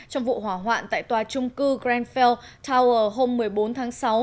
trong vụ hỏa hoạn tại tòa trung cư grandfell tower hôm một mươi bốn tháng sáu